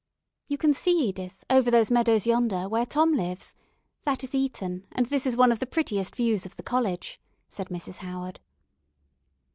"You can see, Edith, over those meadows yonder, where Tom lives. That is Eton, and this is one of the prettiest views of the college," said Mrs. Howard.